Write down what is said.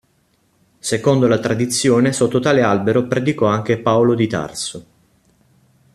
Secondo la tradizione sotto tale albero predicò anche Paolo di Tarso.